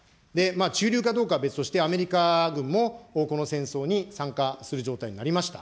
ちゅうりゅうかどうか別にして、アメリカ軍もこの戦争に参加する状態になりました。